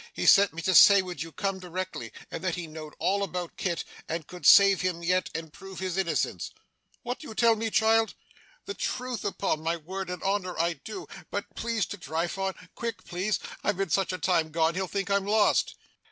He sent me to say would you come directly, and that he knowed all about Kit, and could save him yet, and prove his innocence.' 'What do you tell me, child?' 'The truth, upon my word and honour I do. But please to drive on quick, please! I've been such a time gone, he'll think I'm lost.